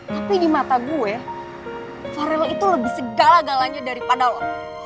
tapi di mata gue farel itu lebih segala galanya daripada lo